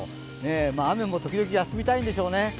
雨も時々、休みたいんでしょうね。